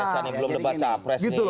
belum dibaca pres ini